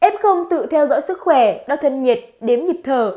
f tự theo dõi sức khỏe đo thân nhiệt đếm nhịp thở